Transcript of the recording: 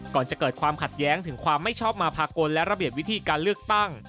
ก่อนจะเกิดความขัดแย้งถึงความไม่ชอบมาภากลและระเบียบวิธีการเลือกตั้ง